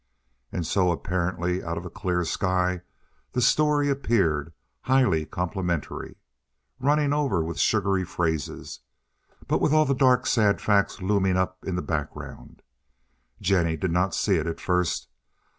And so, apparently out of a clear sky, the story appeared—highly complimentary, running over with sugary phrases, but with all the dark, sad facts looming up in the background. Jennie did not see it at first.